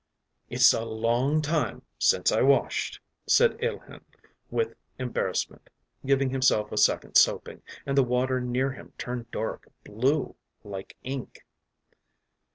“It’s a long time since I washed...” said Alehin with embarrassment, giving himself a second soaping, and the water near him turned dark blue, like ink.